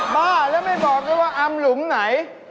บ้าแล้วไม่บอกด้วยว่าอำหลุมไหน